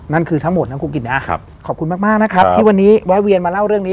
นั่นคือทั้งหมดนะครูกิจนะขอบคุณมากนะครับที่วันนี้แวะเวียนมาเล่าเรื่องนี้